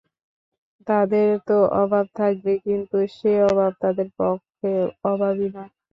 তাদের তো অভাব থাকবেই, কিন্তু সে অভাব তাদের পক্ষে অভাবই নয়।